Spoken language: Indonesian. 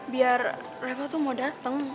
biar reva tuh mau dateng